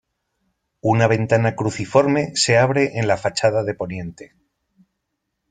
Una ventana cruciforme se abre en la fachada de poniente.